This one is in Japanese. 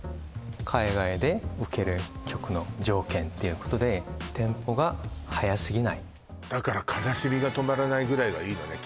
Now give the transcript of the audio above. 海外でウケる曲の条件っていうことでテンポが速すぎないだから「悲しみがとまらない」ぐらいがいいのね